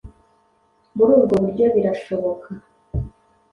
Muri ubwo buryo birashoboka